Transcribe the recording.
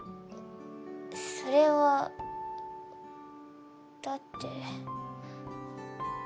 それはだって。